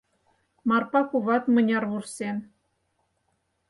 Марпа куват мыняр вурсен.